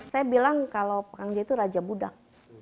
saya bilang kalau kang ja itu raja budak